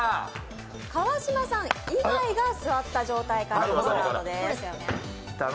川島さん以外が座った状態からスタートです。